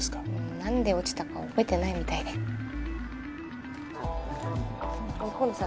何で落ちたか覚えてないみたいで甲野さん